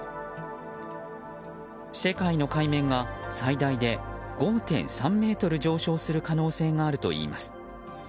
世界の海面が最大で５．３ｍ上昇する可能性があるといいます。